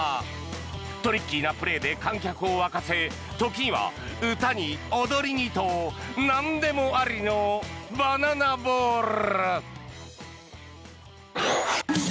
トリッキーなプレーで観客を沸かせ時には歌に踊りにとなんでもありのバナナボール。